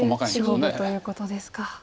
勝負ということですか。